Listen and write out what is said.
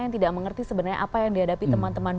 yang tidak mengerti sebenarnya apa yang dihadapi teman teman